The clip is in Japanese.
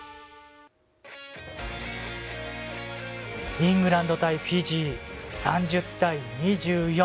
イングランド対フィジー３０対２４。